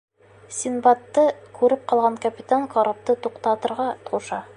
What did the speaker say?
Синдбадты күреп ҡалған капитан карапты туҡтатырға ҡуша.